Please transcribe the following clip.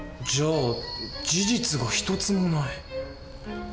じゃあ事実が一つもない。